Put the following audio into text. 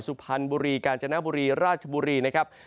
สุพรรณบุรีกาญจนบุรีราชบุรีนะครับ